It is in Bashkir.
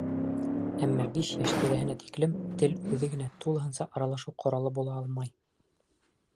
Әммә биш йәш тирәһенә тиклем тел үҙе генә тулыһынса аралашыу ҡоралы була алмай.